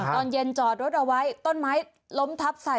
ตอนเย็นจอดรถเอาไว้ต้นไม้ล้มทับใส่